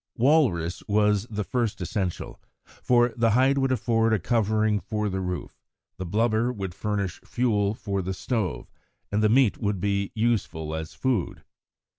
Walrus was the first essential, for the hide would afford a covering for the roof, the blubber would furnish fuel for the stove, and the meat would be useful as food.